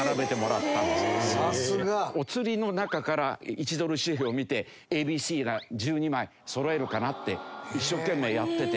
お釣りの中から１ドル紙幣を見てＡＢＣが１２枚そろえるかなって一生懸命やってて。